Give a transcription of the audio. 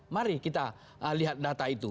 mari kita lihat data itu